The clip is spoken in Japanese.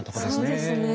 そうですね。